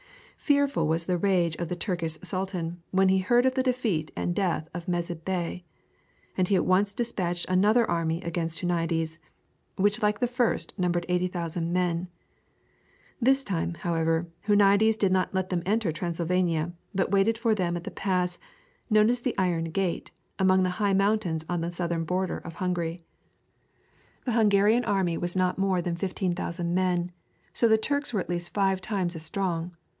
Fearful was the rage of the Turkish sultan when he heard of the defeat and death of Mezid Bey, and he at once despatched another army against Huniades, which like the first numbered 80,000 men. This time, however, Huniades did not let them enter Transylvania, but waited for them at the pass, known as the Iron Gate, among the high mountains on the southern boundary of Hungary. The Hungarian army was not more than 15,000 men, so that the Turks were at least five times as strong.